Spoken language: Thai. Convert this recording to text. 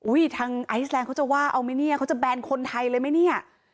ทางไอซแลนด์เขาจะว่าเอาไหมเนี่ยเขาจะแบนคนไทยเลยไหมเนี่ย